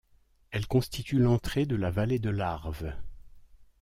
Elle constitue l'entrée de la vallée de l'Arve.